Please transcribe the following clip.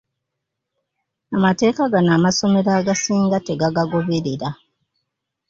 Amateeka gano amasomero agasinga tegagagoberera.